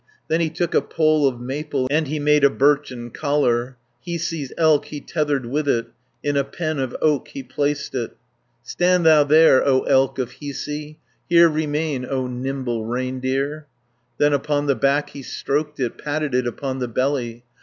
Then he took a pole of maple, And he made a birchen collar; 220 Hiisi's elk he tethered with it, In a pen of oak he placed it. "Stand thou there, O elk of Hiisi, Here remain, O nimble reindeer!" Then upon the back he stroked it, Patted it upon the belly.